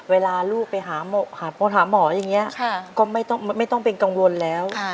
เวลาลูกไปหาหมอหาหมออย่างนี้ก็ไม่ต้องเป็นกังวลแล้ว